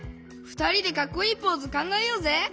ふたりでかっこいいポーズかんがえようぜ！